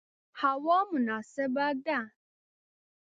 هوا مناسبه ده